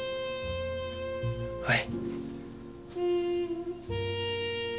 はい。